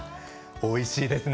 おいしいですね！